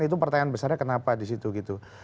jadi pertanyaan besarnya kenapa di situ gitu